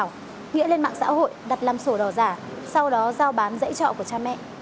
sau đó nghĩa lên mạng xã hội đặt làm sổ đỏ giả sau đó giao bán dãy trọ của cha mẹ